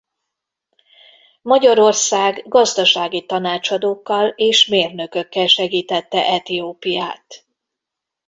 Magyarország gazdasági tanácsadókkal és mérnökökkel segítette Etiópiát.